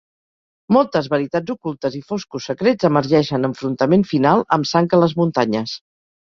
Moltes veritats ocultes i foscos secrets emergeixen enfrontament final amb sang a les muntanyes.